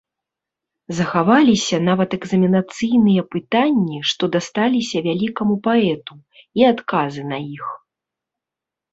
Захаваліся нават экзаменацыйныя пытанні, што дасталіся вялікаму паэту, і адказы на іх.